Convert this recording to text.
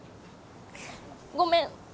ごめん！